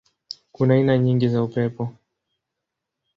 Kuna aina nyingi za upepo.